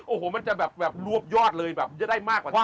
โอ้โหมันจะแบบรวบยอดเลยแบบจะได้มากกว่านี้